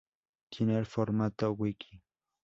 Tiene el formato wiki.